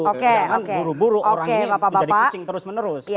jangan buru buru orang ini menjadi kucing terus menerus